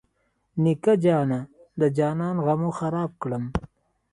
نیکه جانه د جانان غمو خراب کړم.